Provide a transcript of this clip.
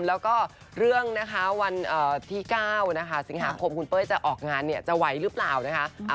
แล้วเรื่องวันที่๙สิงหาคมคุณเป้ยจะออกงานจะไหวหรือเปล่านะคะ